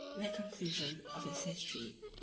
In the conclusion of his history (l.